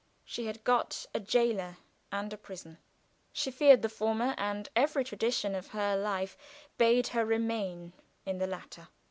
She had got a jailer and a prison. She feared the former, and every tradition of her life bade her remain in the latter.